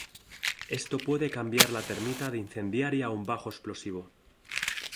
Esto puede cambiar la termita de incendiaria a un bajo explosivo.